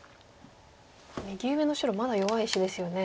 右上の白まだ弱い石ですよね。